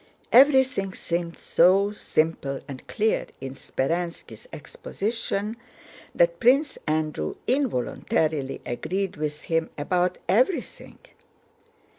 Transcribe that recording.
Everything seemed so simple and clear in Speránski's exposition that Prince Andrew involuntarily agreed with him about everything.